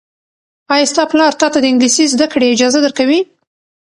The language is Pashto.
ایا ستا پلار تاته د انګلیسي زده کړې اجازه درکوي؟